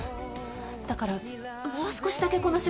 だからもう少しだけこの仕事。